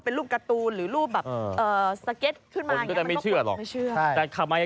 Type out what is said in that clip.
นี่เลย